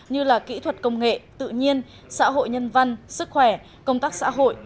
như là kỹ thuật công nghệ tự nhiên xã hội nhân văn sức khỏe công tác xã hội